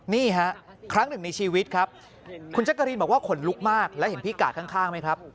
นี่ฮะครั้งหนึ่งในชีวิตครับคุณแจ๊กกะรีนบอกว่าขนลุกมากแล้วเห็นพี่กาดข้างไหมครับ